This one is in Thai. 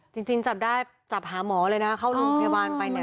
จริงจับได้จับหาหมอเลยนะเข้าโรงพยาบาลไปเนี่ย